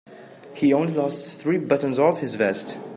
He only lost three buttons off his vest.